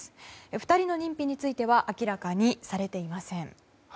２人の認否については明らかにされていません。